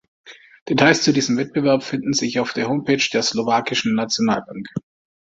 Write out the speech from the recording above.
Details zu diesem Wettbewerb finden sich auf der Homepage der slowakischen Nationalbank.